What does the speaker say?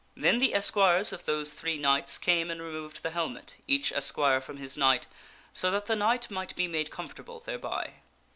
Then the esquires of those three knights came and removed the helmet, each esquire from his knight, so that the knight might be made comfortable thereby.